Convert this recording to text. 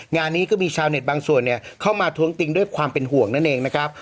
งานนี้ก็มีชาวเน็ตบางส่วนเข้ามาท้วงติงด้วยความเป็นห่วงนั่นเองนะครับ